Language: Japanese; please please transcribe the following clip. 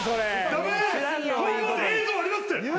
映像ありますって。